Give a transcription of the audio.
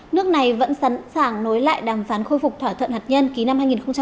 nước này vẫn sẵn sàng nối lại đàm phán khôi phục thỏa thuận hạt nhân ký năm hai nghìn một mươi năm